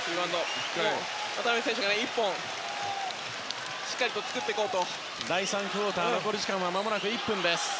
渡邊選手も１本しっかり作っていこうと。